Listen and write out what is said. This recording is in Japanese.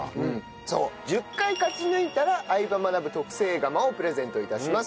そう１０回勝ち抜いたら『相葉マナブ』特製釜をプレゼント致します。